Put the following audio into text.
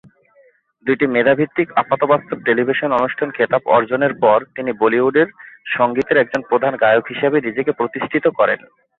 দুইটি মেধা ভিত্তিক আপাতবাস্তব টেলিভিশন অনুষ্ঠান খেতাব অর্জনের পর, তিনি বলিউড সঙ্গীতের একজন প্রধান গায়ক হিসাবে নিজেকে প্রতিষ্ঠিত করেন।